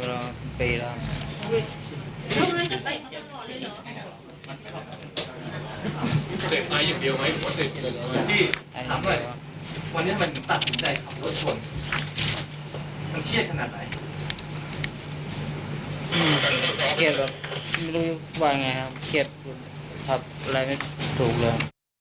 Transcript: เครียดไม่รู้ว่าไงครับเครียดทำอะไรไม่ถูกเลย